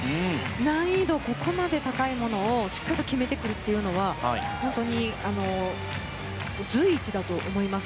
難易度、ここまで高いものをしっかりと決めてくるというのは本当に随一だと思います。